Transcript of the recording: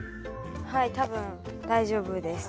はい多分大丈夫です。